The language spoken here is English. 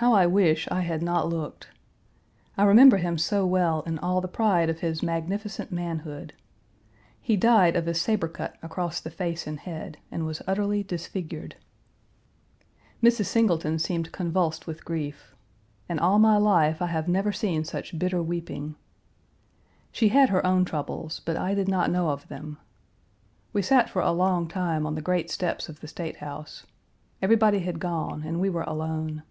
How I wish I had not looked. I remember him so well in all the pride of his magnificent manhood. He died of a saber cut across the face and head, and was utterly Page 238 disfigured. Mrs. Singleton seemed convulsed with grief. In all my life I had never seen such bitter weeping. She had her own troubles, but I did not know of them. We sat for a long time on the great steps of the State House. Everybody had gone and we were alone.